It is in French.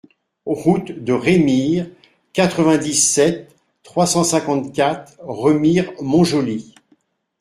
Route de Rémire, quatre-vingt-dix-sept, trois cent cinquante-quatre Remire-Montjoly